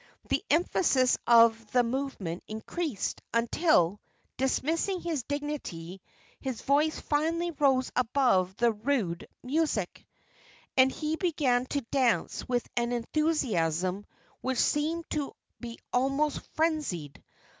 The emphasis of the movement increased, until, dismissing his dignity, his voice finally rose above the rude music, and he began to dance with an enthusiasm which seemed to be almost frenzied.